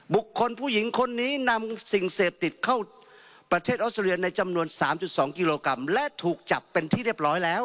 ผู้หญิงคนนี้นำสิ่งเสพติดเข้าประเทศออสเตรเลียในจำนวน๓๒กิโลกรัมและถูกจับเป็นที่เรียบร้อยแล้ว